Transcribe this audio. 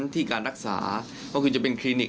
ที่การรักษาก็คือจะเป็นคลินิก